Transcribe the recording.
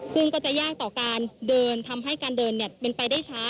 ซึ่งก็จะยากต่อการเดินทำให้การเดินเป็นไปได้ช้า